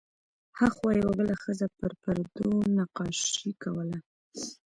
هاخوا یوه بله ښځه پر پردو نقاشۍ کولې.